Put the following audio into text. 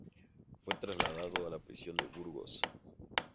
Fue trasladado a la prisión de Burgos.